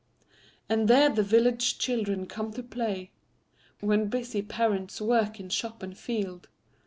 And there the village children come to play, When busy parents work in shop and field.